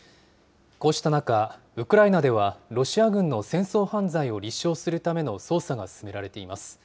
こうした中、ウクライナでは、ロシア軍の戦争犯罪を立証するための捜査が進められています。